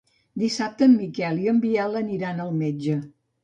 Dissabte en Miquel i en Biel aniran al metge.